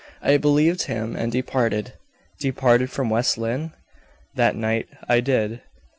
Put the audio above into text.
I believed him and departed." "Departed from West Lynne?" "That night I did.